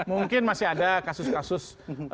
mungkin masih ada kasus kasus